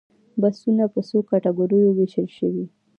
بستونه په څو کټګوریو ویشل شوي؟